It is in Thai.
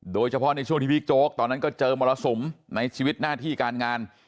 โดยเฉพาะในช่วงที่บิ๊กโจ๊กตอนนั้นก็เจอมรสุมในชีวิตหน้าที่การงาน